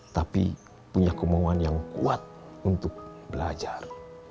tapi punya kemauan yang kuat untuk belajar